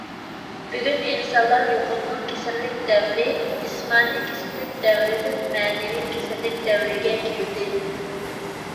بۈگۈن ئىنسانلار يۇقۇملۇق كېسەللىك دەۋرى، جىسمانىي كېسەللىك دەۋرىدىن مەنىۋى كېسەللىك دەۋرىگە كىردى.